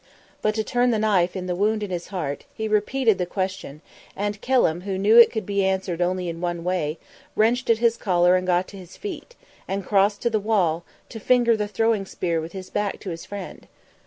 But, to turn the knife in the wound in his heart, he repeated the question, and Kelham, who knew it could be answered only in one way, wrenched at his collar and got to his feet, and crossed to the wall, to finger the throwing spear with his back to his friend.